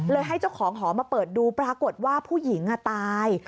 ให้เจ้าของหอมาเปิดดูปรากฏว่าผู้หญิงตาย